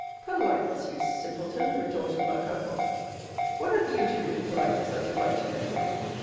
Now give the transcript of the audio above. "Politeness, you simpleton!" retorted La Carconte. "What have you to do with politeness, I should like to know?